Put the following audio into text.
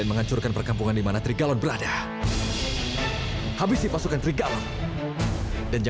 kita tidak mungkin bisa melawannya